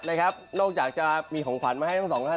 นอกจากจะมีของขวัญมาให้ทั้งสองท่าน